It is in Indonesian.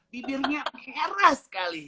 bibirnya perah sekali